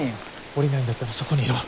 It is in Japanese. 降りないんだったらそこにいろ。